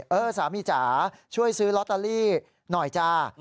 เออสามีจ๋าช่วยซื้อลอตเตอรี่หน่อยจ้า